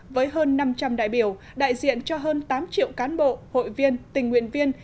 với hơn năm trăm linh đại biểu đại diện cho hơn tám triệu cán bộ hội viên tình nguyện viên